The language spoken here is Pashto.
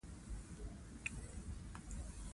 لس ملیونه سنیان یې هجرت ته اړ کړل.